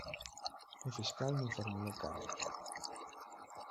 O fiscal non formulou cargos.